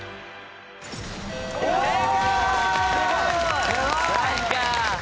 正解！